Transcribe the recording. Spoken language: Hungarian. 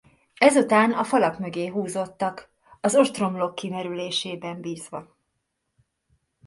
Ezután a falak mögé húzódtak az ostromlók kimerülésében bízva.